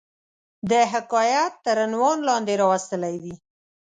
د حکایت تر عنوان لاندي را وستلې وي.